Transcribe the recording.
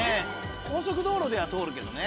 高速道路では通るけどね。